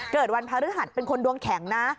เกิดวันพระฤหัสเป็นคนดวงแข็งนะ